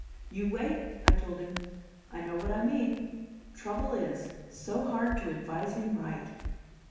"You wait," I told him. "I know what I mean. Trouble is, so hard to advise him right."